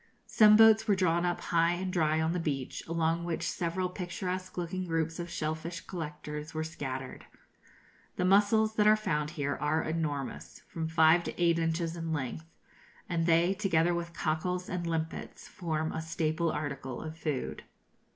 Some boats were drawn up high and dry on the beach, along which several picturesque looking groups of shell fish collectors were scattered. The mussels that are found here are enormous from five to eight inches in length and they, together with cockles and limpets, form a staple article of food.